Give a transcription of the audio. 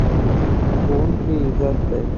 ښوونکی عزت دی.